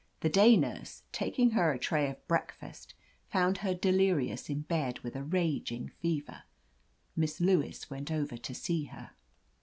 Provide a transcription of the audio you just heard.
The day nurse, taking her a tray of breakfast, found her delirious in bed, with a raging fever. Miss Lewis went over to see her.